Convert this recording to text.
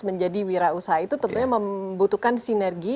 menjadi wirausaha itu tentunya membutuhkan sinergi